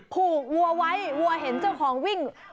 ผูกวัวไว้วัวเห็นเจ้าของวิ่ง